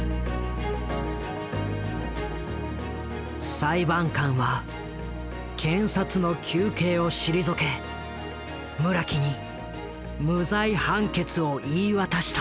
裁判官は検察の求刑を退け村木に無罪判決を言い渡した。